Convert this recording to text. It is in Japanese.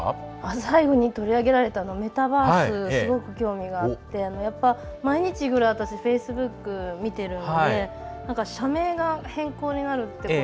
最後に取り上げられたメタバースすごく興味があって毎日、私フェイスブックを見ているので社名が変更になるって。